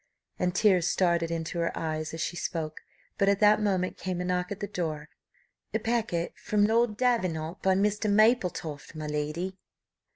And tears started into her eyes as she spoke; but at that moment came a knock at the door. "A packet from Lord Davenant, by Mr. Mapletofft, my lady."